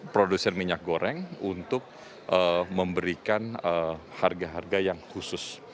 produsen minyak goreng untuk memberikan harga harga yang khusus